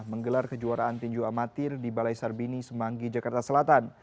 menggelar kejuaraan tinju amatir di balai sarbini semanggi jakarta selatan